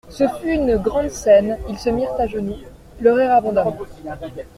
Ce fut une grande scène, ils se mirent à genoux, pleurèrent abondamment.